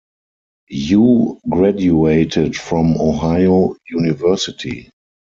Yu graduated from Ohio University.